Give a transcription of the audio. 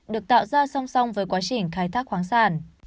được tạo ra song song với quá trình khai thác khoáng sản